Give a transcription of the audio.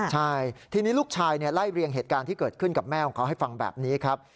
ใช่ทีนี้ลูกชายไล่เรียงเหตุการณ์ที่เกิดขึ้นกับแม่ของเขาให้ฟังแบบนี้ครับ